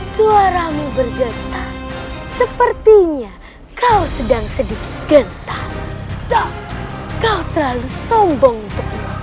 suaramu bergetah sepertinya kau sedang sedikit genta kau terlalu sombong untukmu